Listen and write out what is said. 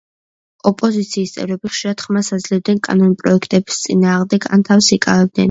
ოპოზიციის წევრები ხშირად ხმას აძლევდნენ კანონპროექტების წინააღმდეგ ან თავს იკავებდნენ.